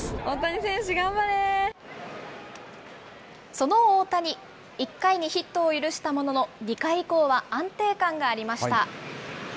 その大谷、１回にヒットを許したものの、２回以降は安定感がありました。